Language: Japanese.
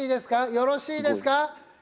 よろしいですか？